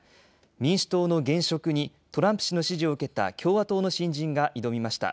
民主党の現職にトランプ氏の支持を受けた共和党の新人が挑みました。